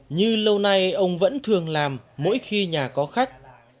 như lâu nay ông vẫn thường làm mỗi khi nhà có khách